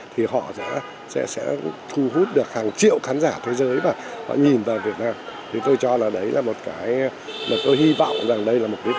thì họ sẽ thu hút được hàng triệu khán giả